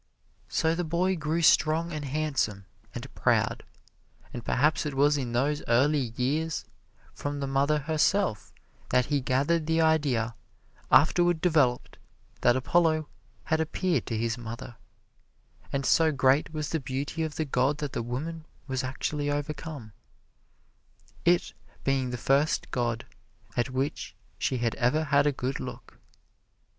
So the boy grew strong and handsome, and proud; and perhaps it was in those early years, from the mother herself, that he gathered the idea, afterward developed, that Apollo had appeared to his mother, and so great was the beauty of the god that the woman was actually overcome, it being the first god at which she had ever had a good look.